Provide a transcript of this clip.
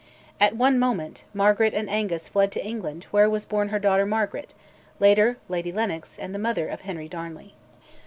At one moment, Margaret and Angus fled to England where was born her daughter Margaret, later Lady Lennox and mother of Henry Darnley.